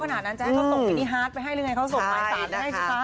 เพราะขณะนั้นแจ๊ะเขาส่งวินิฮาร์ดไปให้หรือยังไงเขาส่งไม้สารให้ค่ะ